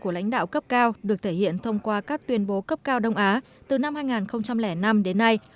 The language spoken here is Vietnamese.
của lãnh đạo cấp cao được thể hiện thông qua các tuyên bố cấp cao đông á từ năm hai nghìn năm đến nay